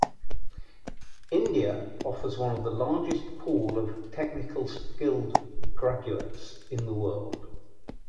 India offers one of the largest pool of technically skilled graduates in the world.